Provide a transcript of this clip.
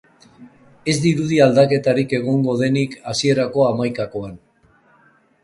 Ez dirudi aldaketarik egongo denik hasierako hamaikakoan.